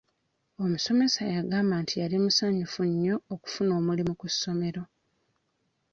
Omusomesa yagamba nti yali musanyufu nnyo okufuna omulimu ku ssomero.